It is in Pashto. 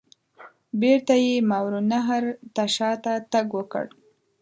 بیرته یې ماوراء النهر ته شاته تګ وکړ.